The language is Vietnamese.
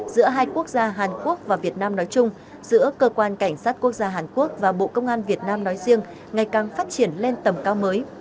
giữa hai quốc gia hàn quốc và việt nam nói chung giữa cơ quan cảnh sát quốc gia hàn quốc và bộ công an việt nam nói riêng ngày càng phát triển lên tầm cao mới